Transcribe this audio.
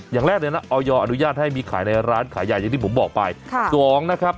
อย่างแรกเลยนะออยอนุญาตให้มีขายในร้านขายใหญ่อย่างที่ผมบอกไปสองนะครับ